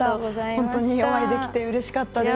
本当にお会いできてうれしかったです。